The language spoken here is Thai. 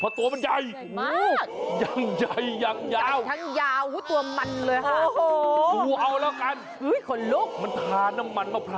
เพราะตัวมันใหญ่ใหญ่มาก